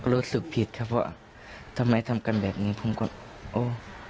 รู้สึกผิดครับว่าทำไมทำกันแบบนี้ผมก็โอ้